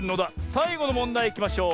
さいごのもんだいいきましょう。